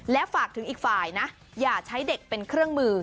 และฝากถึงอีกฝ่ายนะอย่าใช้เด็กเป็นเครื่องมือ